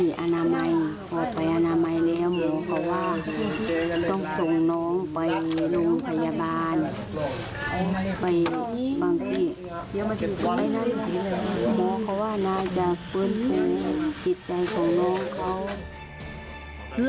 หมอเขาว่าน่าจะฟื้นใจของน้องเขา